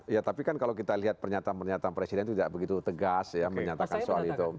ya tapi kan kalau kita lihat pernyataan pernyataan presiden itu tidak begitu tegas ya menyatakan soal itu